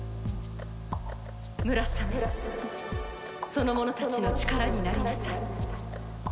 その者たちの力になりなさい。